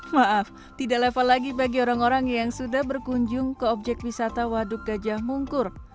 maaf tidak level lagi bagi orang orang yang sudah berkunjung ke objek wisata waduk gajah mungkur